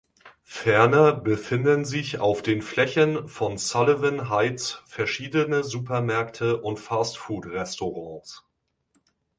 Ferner befinden sich auf den Flächen von Sullivan Heights verschiedene Supermärkte und Fast-Food-Restaurants.